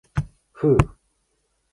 ふう。